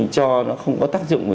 cho nó không có tác dụng